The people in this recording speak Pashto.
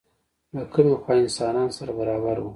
له کومې خوا انسانان سره برابر وو؟